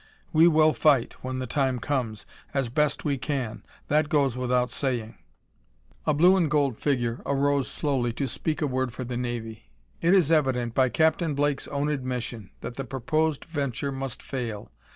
We will fight, when the time comes, as best we can; that goes without saying." A blue and gold figure arose slowly to speak a word for the navy. "It is evident by Captain Blake's own admission, that the proposed venture must fail.